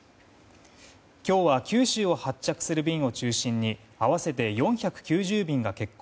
今日は九州を発着する便を中心に合わせて４９０便が欠航。